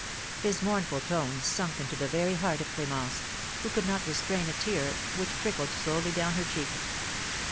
His mournful tones sunk into the very heart of Clémence, who could not restrain a tear, which trickled slowly down her cheek.